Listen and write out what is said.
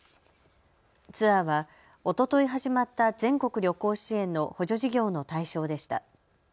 ツアーはおととい始まった全国旅行支援の補助事業の対象でした。